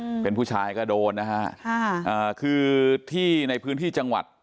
อืมเป็นผู้ชายก็โดนนะฮะค่ะอ่าคือที่ในพื้นที่จังหวัด